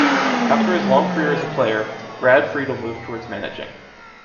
After his long career as a player, Brad Friedel moved towards managing.